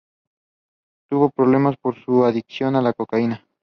Tuvo problemas por su adicción a la cocaína.